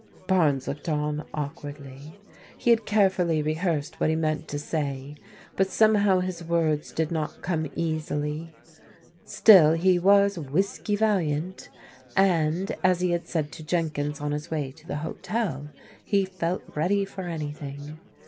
Barnes looked on awkwardly. He had carefully re hearsed what he meant to say, but somehow his words did not come easily. Still he was "whiskey valiant," and, as he had said to Jenkins on his way to the hotel, he felt ready for anything.